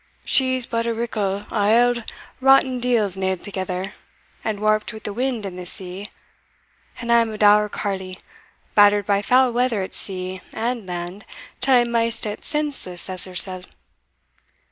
She's but a rickle o' auld rotten deals nailed thegither, and warped wi' the wind and the sea and I am a dour carle, battered by foul weather at sea and land till I am maist as senseless as hersell.